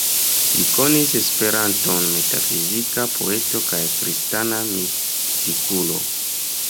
Li konis Esperanton, metafizika poeto kaj kristana mistikulo.